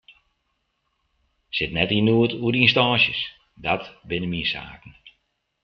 Sit net yn noed oer de ynstânsjes, dat binne myn saken.